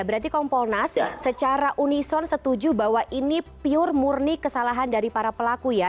berarti kompolnas secara unison setuju bahwa ini pure murni kesalahan dari para pelaku ya